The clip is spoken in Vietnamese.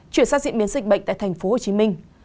chuyển sang diễn biến dịch bệnh tại tp hcm